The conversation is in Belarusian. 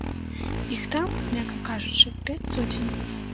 Іх там, мякка кажучы, пяць соцень.